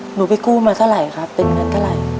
หนูไปกู้มาเท่าไหร่ครับเป็นเงินเท่าไหร่